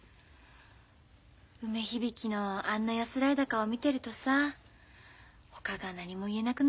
梅響のあんな安らいだ顔見てるとさほかが何も言えなくなるよね。